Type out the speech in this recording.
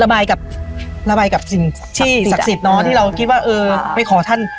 กับระบายกับสิ่งที่ศักดิ์สิทธิเนอะที่เราคิดว่าเออไปขอท่าน